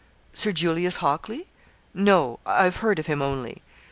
'Sir Julius Hockley? No I've heard of him only.'